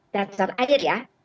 tanser air ya